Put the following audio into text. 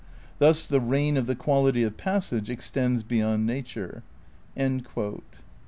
Thus the reign of the quality of passage extends beyond nature."